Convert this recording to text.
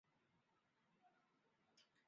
退役后基瑾顺理成章出任教练。